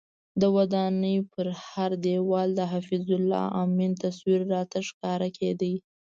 د ودانۍ پر هر دیوال د حفیظ الله امین تصویر راته ښکاره کېده.